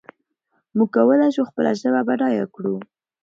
موږ کولای شو خپله ژبه بډایه کړو.